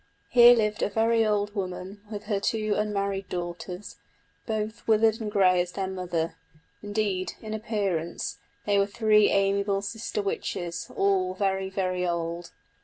Here lived a very old woman with her two unmarried daughters, both withered and grey as their mother; indeed, in appearance, they were three amiable sister witches, all very very old.